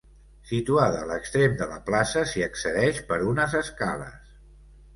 Situada a l'extrem de la plaça, s'hi accedeix per unes escales.